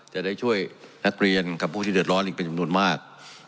จะได้ช่วยนักเรียนกับผู้ที่เดือดร้อนอีกเป็นจำนวนมาก